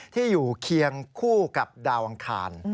ที่อยู่เคียงคู่กับดาวอังคาร